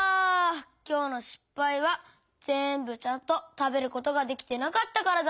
きょうのしっぱいはぜんぶちゃんとたべることができてなかったからだったのか。